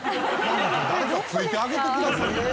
誰かついてあげてくださいよ。